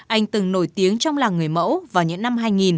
anh từng nổi tiếng trong làng người mẫu vào những năm hai nghìn